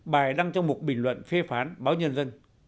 bài đăng trong một bình luận phê phán báo nhân dân